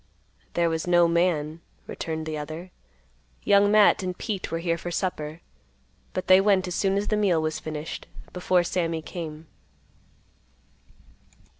"There was no man," returned the other. "Young Matt and Pete were here for supper, but they went as soon as the meal was finished, before Sammy came."